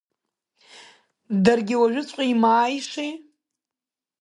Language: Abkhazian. Даргьы уажәыҵәҟьа имааишеи.